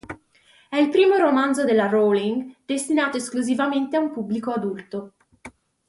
È il primo romanzo della Rowling destinato esclusivamente a un pubblico adulto.